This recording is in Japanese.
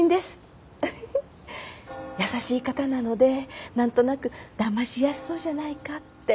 優しい方なので何となくだましやすそうじゃないかって。